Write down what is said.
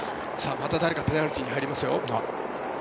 また誰かペナルティーに入りますよ。